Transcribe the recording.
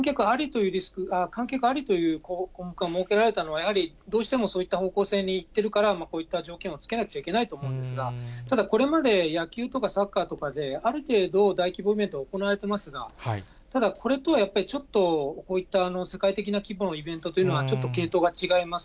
観客ありという項目が設けられたのは、どうしてもそういった方向性にいっているから、こういった条件を付けなければいけないとは思うんですが、ただ、これまで野球とかサッカーとかで、ある程度、大規模イベント行われていますが、ただ、これとはやっぱりちょっと、こういった世界的な規模のイベントというのは、ちょっと系統が違います。